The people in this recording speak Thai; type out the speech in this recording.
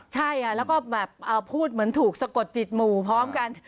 ใช่ค่ะแล้วก็แบบพูดเหมือนถูกสะกดจิตหมู่พร้อมกัน